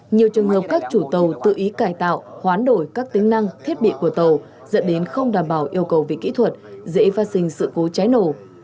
nhiều trường hợp các chủ tàu tự ý cải tạo hoán đổi các tính năng thiết bị của tàu dẫn đến không đảm bảo yêu cầu về kỹ thuật dễ phát sinh sự cố cháy nổ